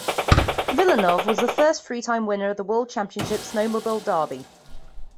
Villeneuve was the first three-time winner of the World Championship Snowmobile Derby.